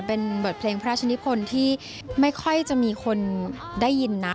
เป็นบทเพลงพระราชนิพลที่ไม่ค่อยจะมีคนได้ยินนัก